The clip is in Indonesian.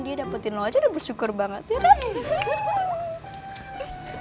dia dapetin lo aja udah bersyukur banget iya kan